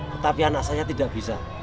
tetapi anak saya tidak bisa